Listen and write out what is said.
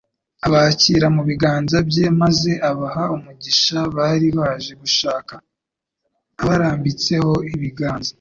Abakira mu biganza bye, maze abaha umugisha bari baje gushaka, abarambitseho ibiganza.